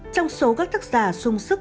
trong số các tác giả sung sức